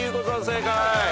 正解。